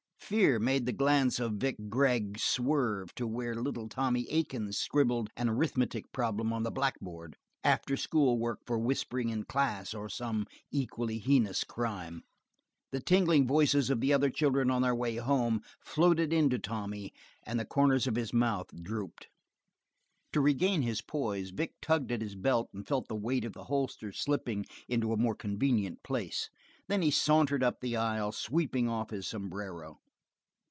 Fear made the glance of Vic Gregg swerve to where little Tommy Aiken scribbled an arithmetic problem on the blackboard afterschool work for whispering in class, or some equally heinous crime. The tingling voices of the other children on their way home, floated in to Tommy, and the corners of his mouth drooped. To regain his poise, Vic tugged at his belt and felt the weight of the holster slipping into a more convenient place, then he sauntered up the aisle, sweeping off his sombrero.